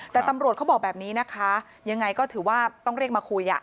แต่ตำรวจเขาบอกแบบนี้นะคะยังไงก็ถือว่าต้องเรียกมาคุย